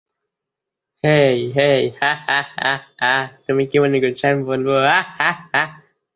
তবে তিনি সর্বসমক্ষে শহীদ আসাদ নামেই অধিক পরিচিত ব্যক্তিত্ব।